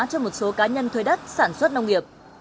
cho một số cá nhân thuê đất sản xuất nông nghiệp